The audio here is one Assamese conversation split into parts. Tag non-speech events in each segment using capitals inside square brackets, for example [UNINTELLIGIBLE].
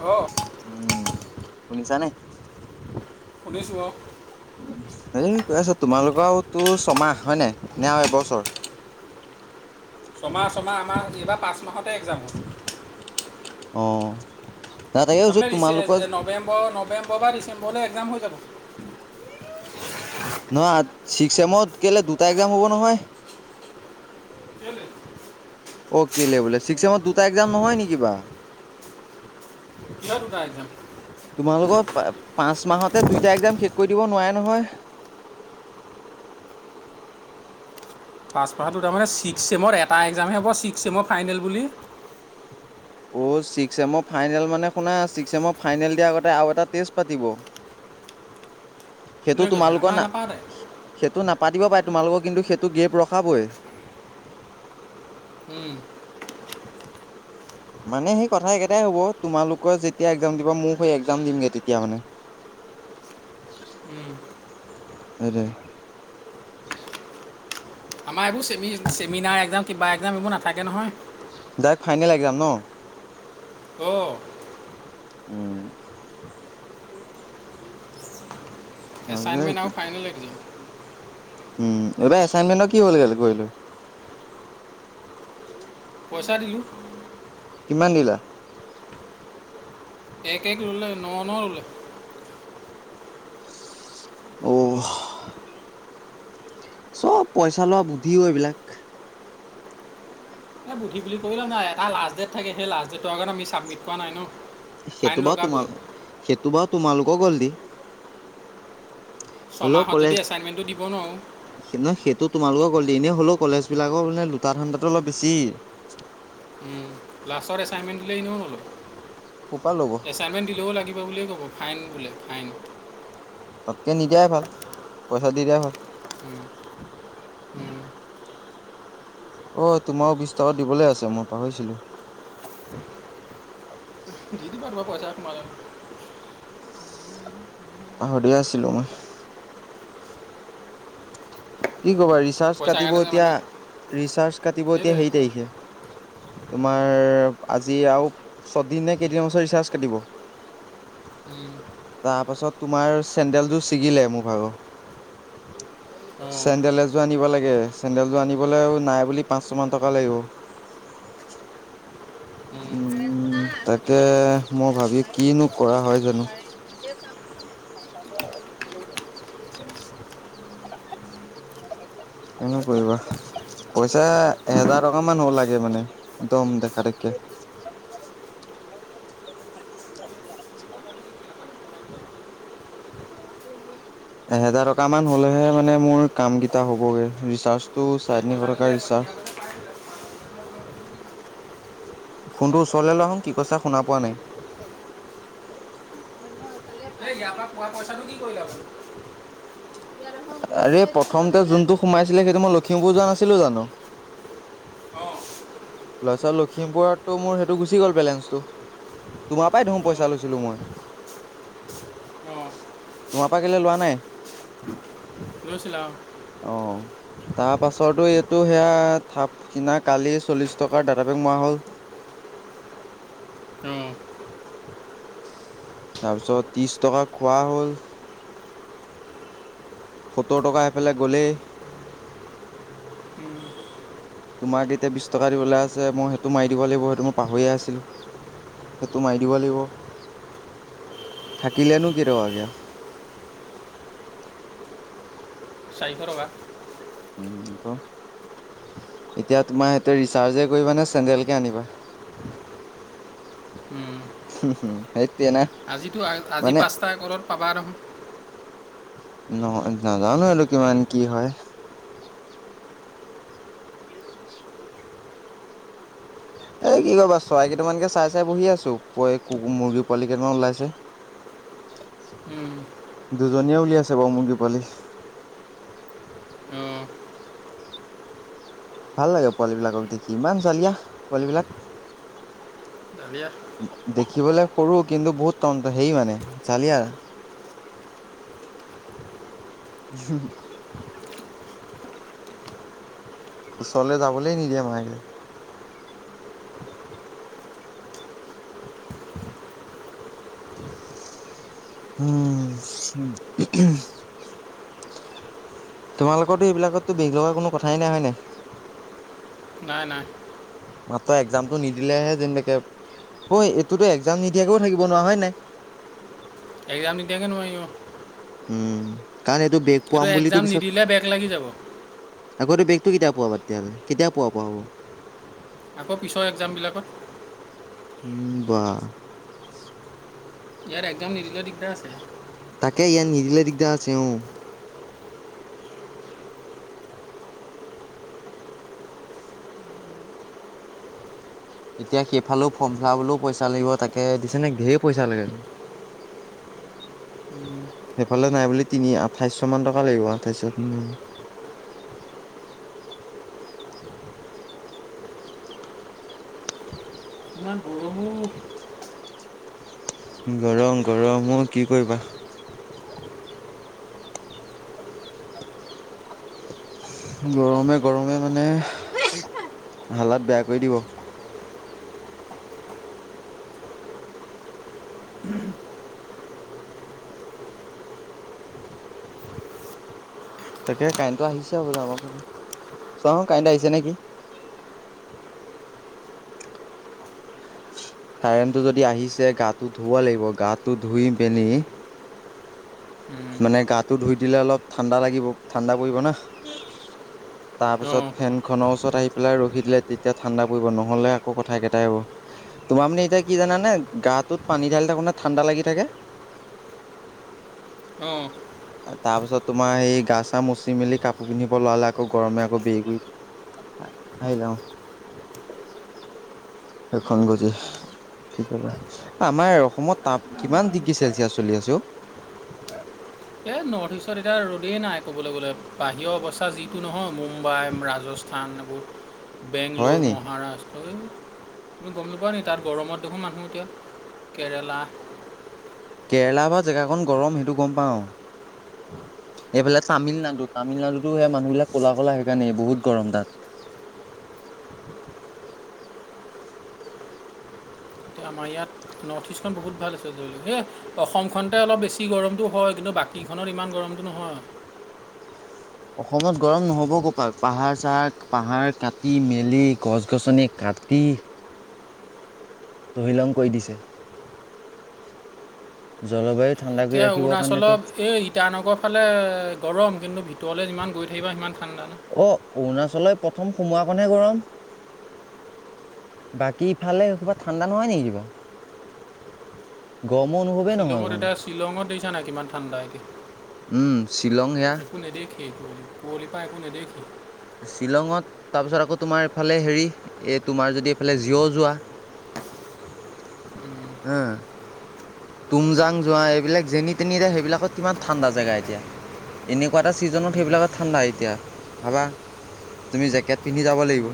অ উ'ম, শুনিছা নে? শুনিছো, অ'। এই কৈ আছে তোমালোকৰওতো ছমাহ হয় নে আৰু এবছৰ? ছমাহ, ছমাহ আমাৰ এইবাৰ পাঁচ মাহতে একজাম হ'ব। অ তাকে কৈছো আপোনাৰ তোমালোকৰ নৱেম্বৰ, নৱেম্বৰ বা ডিচেম্বৰলৈ একজাম হৈ যাব। [UNINTELLIGIBLE] নহয়, ছিক্স চেমত কেলে দুটা একজাম হ'ব নহয়। কেলৈ অ', কেলে ছিক্স চেমত একজাম নহয় নেকি বা? কিহৰ দুটা একজাম? তোমালোকৰ পাঁচ মাহতে দুইটা একজাম শেষ কৰি দিব নোৱাৰে নহয়। [UNINTELLIGIBLE] পাঁচপাশাটো তাৰমানে ছিক্স চেমৰ এটা এক্জামে হ'ব ছিক্স ছেমৰ ফাইনেল বুলি। অ' চিক্স চেমন ফাইনেল মানে শুনা চিক্স চেমৰ ফাইনেল দিয়াৰ আগতে আৰু এটা টেষ্ট পাতিব। সেইটো কোনে কৈছে তোমালোকৰ আমাৰ না নাপাতে সেইটো নাপাতিব পাৰে। তোমালোকক কিন্তু সেইটো গেপ ৰখাবই। উ'ম। মানে সেই কথা একেইটাই হ'ব তোমালোকৰ যেতিয়া একজাম দিবা, মোক সেই এক্জাম দিমগে তেতিয়া মানে। [UNINTELLIGIBLE] সেইটোৱে। আমাৰ এইবোৰ চেমি চেমিনাৰ এক্জাম কিবা এক্জাম এইবোৰ নাথাকে নহয় ডাইক ফাইনেল এক্সাম ন। অ', উম এছাইনমেণ্ট আৰু ফাইনেল একজাম। উম, এইবাৰ এচাইনমেন্টৰ কি হল গ কৰি লৈ পইচা দিওঁ কিমান দিলা এক এক ৰুলে ন ন ৰুলে অ', চব পইচা লোৱা বুদ্ধিও এইবিলাক এ বুধি বুলি কললে নাই এটা লাষ্ট ডেট থাকে সেই লাষ্ট ডেট। ফাইন সেইটো বা লগাবই তোমাৰ সেইটো বা তোমালোকক গল দি হ'লেও ছমাহত কলে যদি এছাইনমেণ্টটো দিব নোৱাৰোঁ নহ সেইটোত। তোমালোকে কললে এনেই হ'লেও কলেজ বিলাকৰানে লোটা ঠাণ্ডাতো অলপ বেছি। লাষ্টত এছাইনমেণ্ট দিলেই এনেও নলো ক'ৰ পৰা ল'ব, এছাইনমেণ্ট দিলেও লাগিব বুলিয় ক'ব। ফাইন বোলে ফাইন তাতকে নিদিয়াই ভাল পইচা দি দিয়াই ভাল উম উম অ, তোমাক বিছ টকা দিবলৈ আছে মই পাহৰিছিলো। দিিদি পাৰব পাচা কমাল পাহৰিিয় আছিলো মই কি কবা ৰিচাৰ্জ পইচাৰ কাটিব কাৰণে যে এতিয়া মানুহে - ৰিচাৰ্জ কাটিব এতিয়া সেইটোৱে সেই তাৰিখে তোমাৰ আজি আৰু ছদিন নে কেইদিন বছৰ ৰিচাৰ্জ কাটিব। উম, তাৰ পাছত তোমাৰ চেন্দেলটো ছিগিলে মোৰ ভাগ উম, অঁ চেডেল এযোৰ আনিব লাগে চেডেলযোৰ আনিবলৈও নাই বুলি পাচ ছ মান টকা লাগিব। উম, উম, তাকে মই ভাবি কিনো কৰা হয় জানো। [UNINTELLIGIBLE] কোনে কৰিব। পইচা এেজাৰ টকা মান হ'ব লাগে মানে একদম দেখা দেখে [INAUDIBLE] এহেজাৰ টকা মান হ'লেহে মানে মোৰ কাম কেইটা হ'বগে ৰিচাৰ্জটো এই চনি পইচাটো যে ইয়াৰ পৰা- কৰকা়িছা ইয়াৰ পৰা যে পাইছিলে, ফোনটোৰ ওচৰলে ল আহোন কি কৈছা শুনা পোৱা নাই এই ইয়াৰ পৰা পোৱা পইচাটো কি কৰিলে আপুনি? আৰে প্ৰথমতে যোনটো সোমাইছিলে সেইটো মই লখিমপুৰ যোৱা নাছিলো জানো অঁ লৰা ছাল লখিমপুৰতটো মোৰ সেইটো গুচি গ'ল বেলেঞ্চটো। তোমাৰ পৰাই ধুম অঁ পইচা লৈছিলো মই অঁ তোমাৰ পৰা কেলৈ লোৱা নাই লইচিলাও। অ তাৰ পাছতো এইটো সেয়া থাপ কিনা কালি চল্লিশ টকাৰ দ ম হল অঁ তাৰপিছত ত্ৰিশ টকা খোৱা হ'ল সত্তৰ টকা এফালে গ'লেই উম, তোমাক এতিয়া বিশ টকা দিবলৈ আছে মই সেইটো মাৰি দিব লাগিব সেইটো মই পাহৰিয়ে আছিলো। সেইটো মাৰি দিব লাগিব। থাকিলেনো কে ৰা কে চাৰিশ টকা। উম, আকৌ এতিয়া তোমাৰ সিহঁতে ৰিচাৰ্জে কৰিবা নে চেডেলকে আনিবা উম, উম হম আজিতো আজি পাঁচটা ঘৰত পাবা আৰু নহ নাজানো এইটো কিমান কি হয়। উ এ কি কা চৰাই কেইটামানকে চাই চাই বহি আছো প মুৰ্গী পোৱালি কেইটামান ওলাইছে উম, [INAUDIBLE] দুজনীয়ে উলিয়াইছে বাৰু মুৰ্গী পালি অঁ ভাল লাগে পোৱালিবিলাকক দেখি ইমান জালিয় দালিয়া পোৱালিবিলাক দেখি শিকিবলৈ সৰু কিন্তু বহুত তন্তন্ত হেই মানে জালি আৰু হ ওচৰলৈ যাবলৈ নিদিয়ে মাহেকে উম তোমালোকো এইবিলাকতো বিষ লগা কোনো কথাই নাই হয় নাই নাই নাই মাত্ৰ এক্জামটো নিদিলেহে যেনোকে অ, এইটোতো এক্জাম নিদিয়াকেও থাকিব নোৱাৰা হয় নাই। এগ্জাম দি দিয়াকে নোৱাৰই ইয়ো উম কাৰণ এইটো বেগ পোৱাম বুলিুলিতো এক্সাম নিদিলে বেক লাগি যাব পিছত আগতে বেগটো কেতিয়া পাবা তেতিয়াহ'লে কেতিয়া পোৱা পোৱা হ'ব আকৌ পিছৰ এক্জামবিলাকত উম বা ইয়াৰ একদম নিৰ্দিলৰ দিগদাৰ আছে তাকে ইয়াৰ নিদিলে দিগদাৰ আছে অ এতিয়া সেইফালেও ফৰ্ম ফিলাপ হলেও পইচা লাগিব তাকে দিছে ন ধেৰ পইচা লাগে [INAUDIBLE] সেইফালে নাই বুলি তিনি আঠাইছশ মান টকা লাগিব আঠাইছশ তিনি [INAUDIBLE] ন বৰম গৰম গৰম অ কি কৰিবা গৰমে গৰমে মানে হালত বেয়া কৰি দিব তাকে কাইণ্টটো আহিছে হ'ব আমাৰ ফে চা কাৰেণ্ট আহিছে নেকি? [INAUDIBLE] চাৰেনটো যদি আহিছে গাটো ধুব লাগিব গাটো ধুই পিনি মানে গাটো ধুই দিলে অলপ ঠাণ্ডা লাগিব ঠাণ্ডা পৰিব না তাৰ পিছত অঁ ফেন খনৰ ওচৰত আহি পেলাই ৰখি দিলে তেতিয়া ঠাণ্ডা পৰিব নহলে আক কথা কেইটাই আহব তোমাৰ মানে এতিয়া কি জানে গাটোত পানী ঢালি থাকো নে ঠাণ্ডা লাগি থাকে আহ তাৰ পিছত তোমাৰ সেই গা চা মচি মেলি কাপোৰ পিন্ধিব লৰালে আকৌ গৰমে আকৌ বেৰি কৰি আহ আহিলাও সেইখন গজি স আমাৰ অসমত তাপ কিমান ডিগ্ৰী চেলচিয়াছ চলি আছে এই নৰ্থ ইষ্টত এতিয়া ৰ'দেই নাই ক'বলৈ গ'লে বাহিৰৰ অৱস্থা যিটো নহয় মুম্বাই ৰাজস্থান থানবত হয় বেংলোৰ নি মহাৰাষ্ট্ৰ এই। তই গম নাপোৱাও নি তাত গৰমত দেখো মানুহ এতিয়া কেৰেলা কেৰেলা বা জেগাখন গৰম সেইটো গম পাও। এইফালে তামিলনাডু তামিলনাডুতো সে মানুহবিলাক ক'লা ক'লা সেইকাৰণেই বহুত গৰম তাত। [UNINTELLIGIBLE] এতিয়া আমাৰ ইয়াত নৰ্থ ইষ্টখন বহুত ভাল আছে ধৰি লওক এই অসমখনতে অলপ বেছি গৰমটো হয় কিন্তু বাকী খনত ইমান গৰমটো নহয়। [INAUDIBLE] অসমত গৰম নহব ক'পাত পাহাৰ চাহাৰ পাহাৰ কাটি মেলি গছ গছনি ক কাটি তহিলং কয় দিছে, জলবায়ুত এতিয়া অৰুণাচলত এই ইটানগৰ ফালে গৰম কিন্তু ভিতৰলৈ যিমান গৈ থাকিবা সিমান ঠাণ্ডা ন অ', অৰুণাচললৈ প্ৰথম সোমোৱাকণহে গৰম। বাকী ইফালে ক'ৰবাত ঠাণ্ডা নহয় নেকি কিবা? গৰমৰ অনুভৱেই নহয় শ্বিলঙত কোনো এতিয়া শ্বিলঙত দিছা নাই কিমান ঠাণ্ডা এতিয়া। উম শ্বিলং হেয়া। ঠ ব কুৱলি পৰা একো নেদেখি। শ্বিলঙত তাৰপিছত আকৌ তোমাৰ এইফালে হেৰি এই তোমাৰ যদি এইফালে জিঅ' যোৱা। উম, [UNINTELLIGIBLE] তুমজাং যোৱা এইবিলাক যেনি তেনিৰে সেইবিলাকত কিমান ঠাণ্ডা জেগা এতিয়া। এনেকুৱা এটা ছিজনত সেইবিলাকত ঠাণ্ডা এতিয়া ভাৱা। তুমি জেকেট পিন্ধি যাব উম, লাগিব।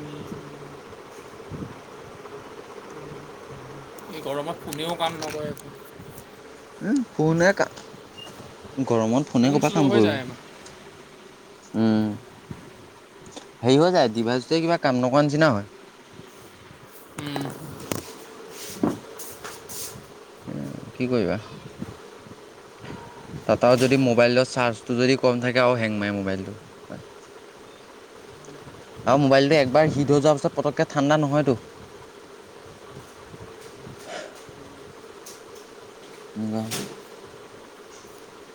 উম। এই গৰমত কোনেও কাম নকৰে একো। হম ফোনে ক গৰমত ফোনে কোন কবাক শ্ল' কাম হৈ কৰিব। যায় আমাৰ উম। হেৰি হৈ যায় জিভাচোতে কিবা কাম নকৰ নিচিনা হয়। উম। এ কি কৰিবা? তাতও যদি মোবাইলটোৰ চাৰ্জটো যদি কম থাকে আৰু হেং মাৰে মোবাইলটো, হয়। [INAUDIBLE] আৰু মোবাইলটো একবাৰ শিট হৈ যোৱাৰ পাছত পতককৈ ঠাণ্ডা নহয়তো। [INAUDIBLE] [UNINTELLIGIBLE]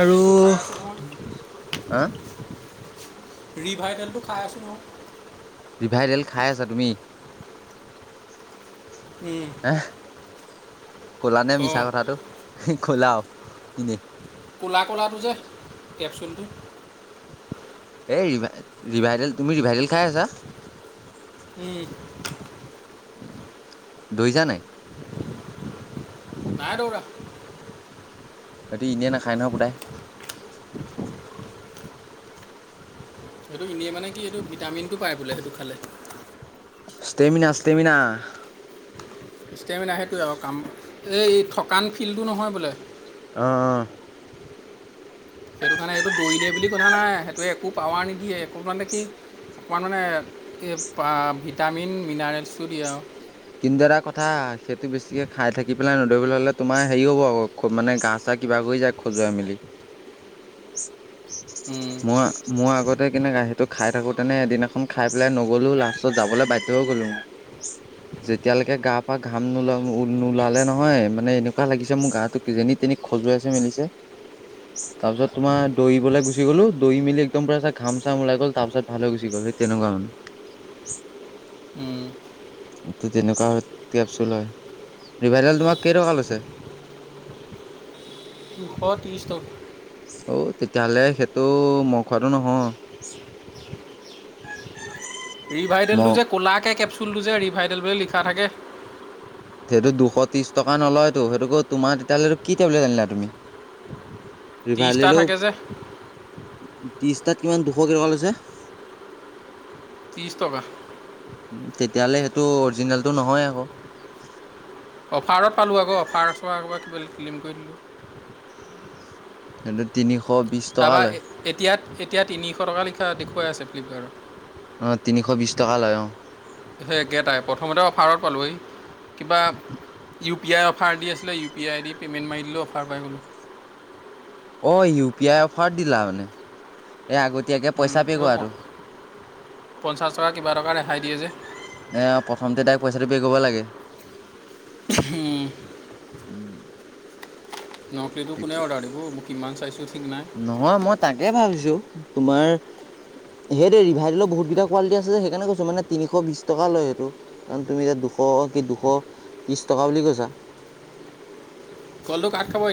আৰু, খাই আছোঁ নহয় হা। ৰিভাইটেলটো খাই আছোঁ মোক। ৰিভাইডল খাই আছা তুমি? উম, হা। কলা নে মিছা অঁ কথাাতটো কলাও এনেই। কোলা-কোলা টো যে কেপচোলটো। এই ৰিভাই ৰিভাইডেল তুমি ৰিভাইডেল খাই আছা। উম'। [UNINTELLIGIBLE] নাই দৌৰা। সেইটো এনেই নাখায় নহয় সোটায়। সেইটো এনে মানে কি এইটো ভিটামিনটো পায় বোলে সেইটো খালে। Stamina stamina. ষ্টেমিনা সেইটোৱে আৰু কাম এই থকান ফিলটো নহয় বোলে। অ', অ'। সেইটো কাৰণে এইটো দৌৰিলেয় বুলি কনা নাই সেইটোৱে একো পাৱাৰ নিদিয়ে এক [UNINTELLIGIBLE] অকণমান মানে এই ভিটামিন মিনাৰেলছো দিয়ে আৰু। কিন্তু এটা কথা সেইটো বেছিকে খাই থাকি পেলাই নধৰিবলৈ হলে তোমাৰ হেৰি হ'ব আ খুব মানে গা চা কিবা কৰি যাক খজুৱাই মেলি। উম, মই মই আগতে কেনে গা সিটো খাই থাকো তেনে এদিনাখন খাই পেলাই নগলো লাষ্টত যাবলৈ বাধ্য গ [UNINTELLIGIBLE] যেতিয়ালৈকে গা পৰা ঘাম নোলা নোলালে নহয় মানে এনেকুৱা লাগিছে মোৰ গাটোো যে তেনি সজুৱাইছে মেলিছে। তাৰ পিছত তোম দৌৰিবলৈ গুচি গ'লো দৈ মেলি একদম পু ঘাম চাম ওলাই গ'ল তাৰ পিছত ভালে গুচি গ'ল। তেনেুৱাও ন [UNINTELLIGIBLE] উম ত তেনেকুৱা কোব চ লয় ৰিভাইেল তোমাক কেই টকা লৈছে। [INAUDIBLE] Hot stock. অঔ তেতিয়াহ'লে সেইটো মই খোৱাটো নহয়। [UNINTELLIGIBLE] মই ৰিভাইডেলটো যে ক'লাকৈ কেপচুলটো যে ৰিভাইডেল বুলি লিখা থাকে। সেইটো দুশ ত্ৰিশ টকা নলয়তো সেইটোোক তোমাৰ তেতিয়াহ'লেো কি টেবলেট আনিলা তুমি ত্ৰিছটা ৰিভাইলেও থাকে যে। ত্ৰিশটাত কিমান দুশ কেই টকা লৈছে? ত্ৰিছ টকা। তেতিয়াহ'লে সেইটো অৰিজিনেলটো নহয় আকৌ। অফাৰত পালোঁ আকৌ অফাৰ চ কিবা ফিলিম কৰি দিলোঁ সেইহটো তিনিশ বিশ টকা তাৰপা লয় এতিয়াত এতিয়া তিনিশ টকা লিখা দেখুৱাই আছে ফ্লিপকাৰ্টত। অ', তিনিশ বিশ টকা লয় অ'। সেই গেটাই প্ৰথমতে অফাৰত পালোঁহি কিবা। ইউ পি আই অফাৰ দি আছিলে ইউি আই ডি পেমেণ্ট মাৰি দিলো অফাৰ পাই গ'লো। অ', ইউ পি আই অফাৰ দিলা মানে এই আগতীয়াকে পইচা পে এইবোৰ প কৰাটো। পঞ্চাছ টকা কিবা টকা ৰেহাই দিয়ে যে। এ প্ৰথমতে তাই পইচাটো পে' কৰিব লাগে হে। উম নকলেটো কোনে ঠিকে অৰ্ডাৰ দিব মোক কিমান চাইছোঁ। ঠিক নাই নহয় মই তাকে ভাবিছো। তোমাৰ সেই দেই ৰিভাইডলৰ বহুত কেইটা কোৱালিটি আছে সেইকাৰণে কৈছো মানে তিনিশ বিশ টকা লয়। সেইটো কাৰণ তুমি এতিয়া দুশ কি দুশ ত্ৰিশ টকা বুলি কৈছা। কলটো কাট খাব।